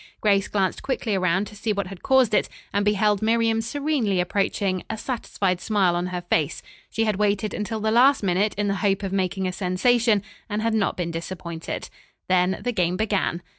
Grace glanced quickly around to see what had caused it, and beheld Miriam serenely approaching, a satisfied smile on her face. She had waited until the last minute in the hope of making a sensation, and had not been disappointed. Then the game began.